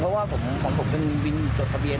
เพราะว่าของผมเป็นวินจดทะเบียน